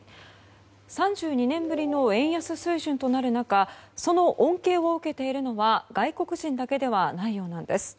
３２年ぶりの円安水準となる中その恩恵を受けているのは外国人だけではないようです。